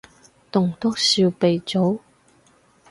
棟篤笑鼻祖